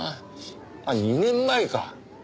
あっ２年前か。